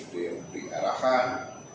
dia lebih arahan